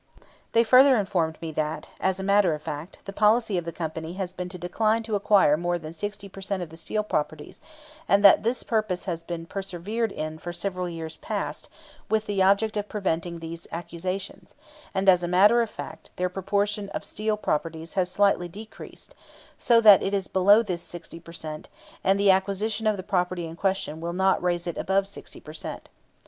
They further informed me that, as a matter of fact, the policy of the company has been to decline to acquire more than sixty per cent of the steel properties, and that this purpose has been persevered in for several years past, with the object of preventing these accusations, and, as a matter of fact, their proportion of steel properties has slightly decreased, so that it is below this sixty per cent, and the acquisition of the property in question will not raise it above sixty per cent.